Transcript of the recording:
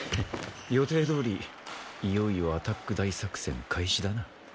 予定どおりいよいよアタック大作戦開始だな。